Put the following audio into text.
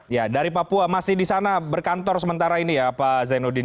ya dari papua masih di sana berkantor sementara ini ya pak zainuddin